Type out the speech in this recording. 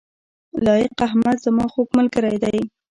لائق احمد زما خوږ ملګری دی